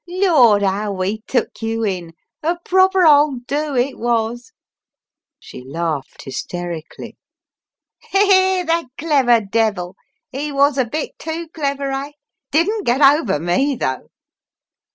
Lord, how we took you in! A proper old 'do* it was." She laughed hysterically. "The clever devil! He was a bit too clever, eh? Didn't get over me, though."